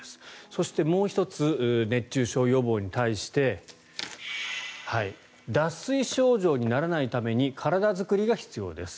そして、もう１つ熱中症予防に対して脱水症状にならないために体作りが必要です。